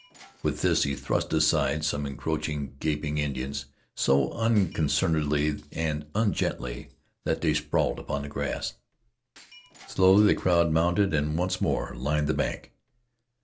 With this he thrust aside some encroaching, gaping Indians so unconcernedly and ungently that they sprawled upon the grass. Slowly the crowd mounted and once more lined the bank.